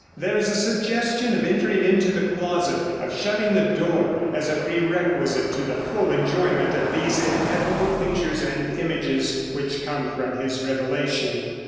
There is a suggestion of entering into the closet, and of shutting the door, as a prerequisite to the full enjoyment of these ineffable pictures and images which come from his revelation.